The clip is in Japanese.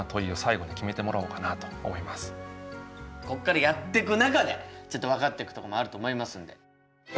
こっからやってく中でちょっと分かってくところもあると思いますんで。